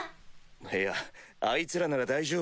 いやあいつらなら大丈夫。